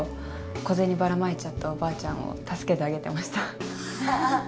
小銭ばらまいたおばあちゃんを助けてあげてました